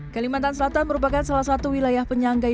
kalimantan selatan merupakan salah satu wilayah penyanggai